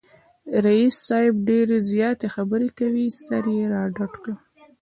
رییس صاحب ډېرې زیاتې خبری کوي، سر یې را ډډ کړ